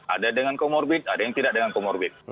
ada dengan comorbid ada yang tidak dengan comorbid